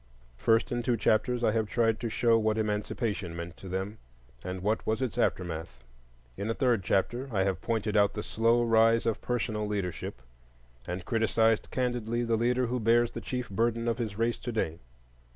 First, in two chapters I have tried to show what Emancipation meant to them, and what was its aftermath. In a third chapter I have pointed out the slow rise of personal leadership, and criticized candidly the leader who bears the chief burden of his race to day.